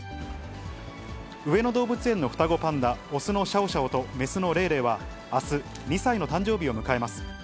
上野動物園の双子パンダ、雄のシャオシャオと雌のレイレイは、あす、２歳の誕生日を迎えます。